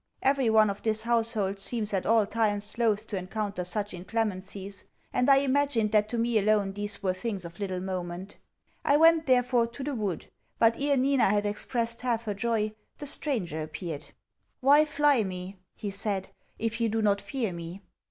Every one of this household seems at all times loath to encounter such inclemencies, and I imagined that to me alone these were things of little moment. I went, therefore, to the wood; but, ere Nina had expressed half her joy, the stranger appeared. 'Why fly me,' he said, 'if you do not fear me?'